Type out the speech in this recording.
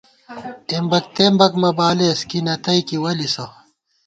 اېمبَک تېمبَک مہ بالېس کی نتَئیکی وَلِسہ